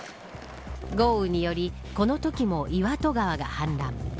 豪雨によりこのときも岩戸川が氾濫。